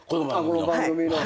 この番組の。